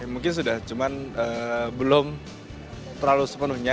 mungkin sudah cuman belum terlalu sepenuhnya